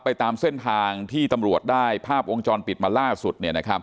ตามเส้นทางที่ตำรวจได้ภาพวงจรปิดมาล่าสุด